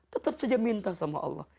tetap saja minta sama allah